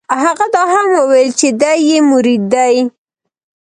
هغه دا هم وویل چې دی یې مرید دی.